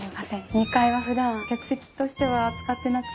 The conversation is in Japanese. ２階はふだん客席としては使ってなくて。